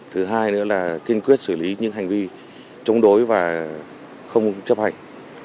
thứ hai nữa là kiên quyết xử lý những hành vi chống đối và không chấp hành